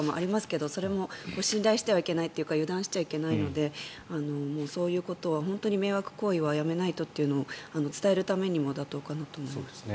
けどそれも信頼してはいけないというか油断してはいけないのでそういうことは本当に迷惑行為はやめないとってことを伝えるためにも妥当かなと思います。